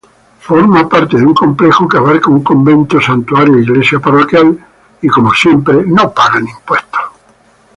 Forma parte de un complejo que abarca un convento, santuario e iglesia parroquial.